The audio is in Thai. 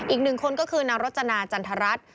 อีก๑คนก็คือนารจนาจันทรัศน์